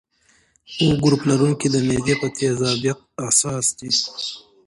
O ګروپ لرونکي د معدې په تیزابیت حساس دي.